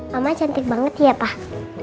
mama cantik banget ya pak